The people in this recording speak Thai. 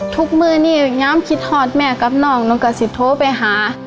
ทุกมือนี้ย้ำคิดถอดแม่กับน้องน้องกะสิโทรไปหา